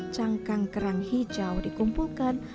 cangkang kerang hijau dikumpulkan